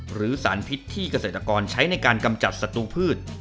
หรือสารพิษที่เกษตรกรใช้ในการกำจัดศัตรูพืช